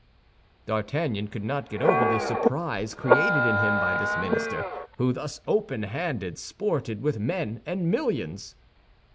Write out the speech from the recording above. D'Artagnan could not get over the surprise created in him by this minister, who thus open handed, sported with men and millions.